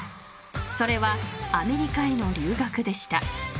［それはアメリカへの留学でした］